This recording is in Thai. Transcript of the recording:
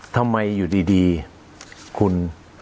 ทำไมอยู่ดีคุณ